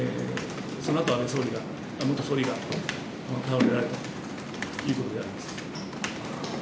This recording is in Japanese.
そのあと安倍元総理が倒れられたということであります。